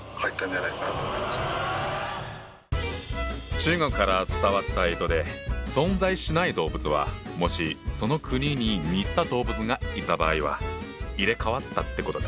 中国から伝わった干支で存在しない動物はもしその国に似た動物がいた場合は入れ代わったってことか。